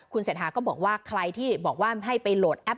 เศรษฐาก็บอกว่าใครที่บอกว่าให้ไปโหลดแอป